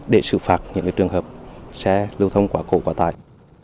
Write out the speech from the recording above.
để xử phạt những trường hợp xe lưu thông quá khổ quá tải